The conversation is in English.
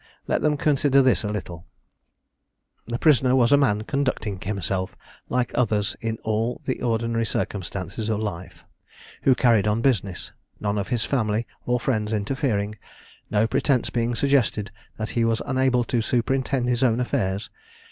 Let them consider this a little. The prisoner was a man conducting himself like others in all the ordinary circumstances of life who carried on business, none of his family or friends interfering no pretence being suggested that he was unable to superintend his own affairs.